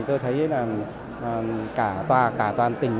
tôi thấy là cả tòa cả toàn tỉnh